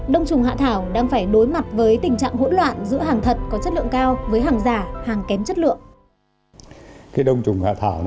đông trùng hạ thảo đang phải đối mặt với tình trạng hỗn loạn giữa hàng thật có chất lượng cao với hàng giả hàng kém chất lượng